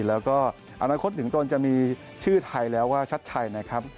แล้วก็อนาคตถึงตนจะมีชื่อไทยแล้วว่าชัดชัยนะครับ